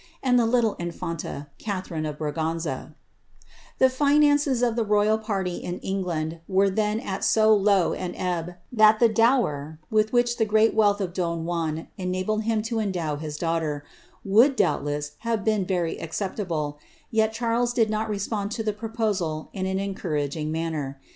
and the little infanta, Catharine of Bra finances of the royal party in England were then at so low an t the dower with which the great wealth of don Juan enabled mdow his daughter, would, doubtless, have been very acceptable, 'les did not respond to the proposal in an encouraging manner.'